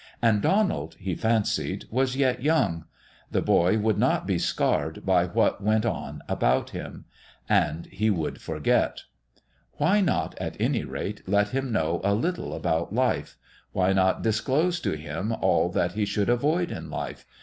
And Donald, he fancied, was yet young; the boy would not be scarred by what went on about him and he would forget. Why not, at any rate, let him know a little about life ? Why not disclose to him all that he should avoid in life